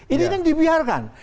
ini kan dibiarkan